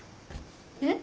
えっ？